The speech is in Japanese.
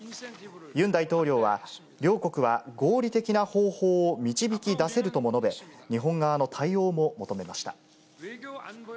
ユン大統領は、両国は合理的な方法を導き出せるとも述べ、日本側の対応も求めました。